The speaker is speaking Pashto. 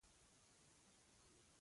په ولاړه خوراک مه کوه .